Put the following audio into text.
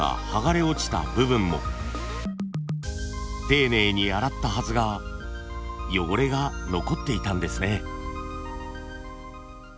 丁寧に洗ったはずが汚れが残っていたんですね。